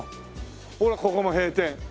ほらここも閉店。